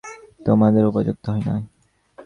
যাহাই হউক সর্বসুদ্ধ জিনিসটা তোমাদের উপযুক্ত হয় নাই?